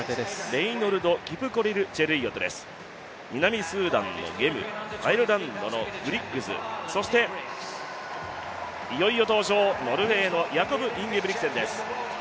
レイノルドキプコリル・チェルイヨトです、南スーダンの選手、アイルランドのブリックス、そしていよいよ登場、ノルウェーのヤコブ・インゲブリクセンです。